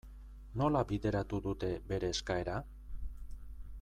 Nola bideratu dute bere eskaera?